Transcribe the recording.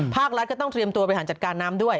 ภาครัฐก็ต้องเตรียมตัวบริหารจัดการน้ำด้วย